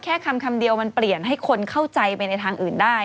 แค่คำเดียวมันเปลี่ยนให้คนเข้าใจไปในทางอื่นได้